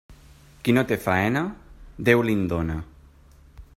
Qui no té faena, Déu li'n dóna.